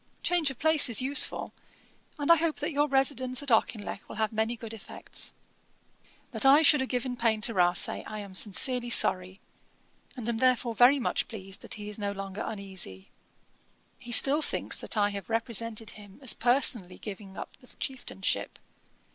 Change of place is useful; and I hope that your residence at Auchinleck will have many good effects. 'That I should have given pain to Rasay, I am sincerely sorry; and am therefore very much pleased that he is no longer uneasy. He still thinks that I have represented him as personally giving up the Chieftainship.